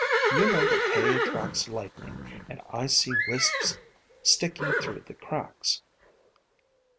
you know that hay attracts light ning, and I see wisps sticking through the cracks."